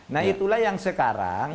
nah itulah yang sekarang